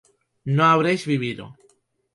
no habréis vivido